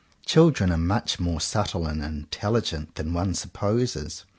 Children are much more subtle and intelligent then one supposes.